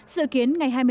dự kiến ngày hai mươi năm